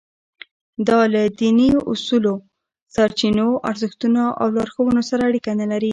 دا له دیني اصولو، سرچینو، ارزښتونو او لارښوونو سره اړیکه نه لري.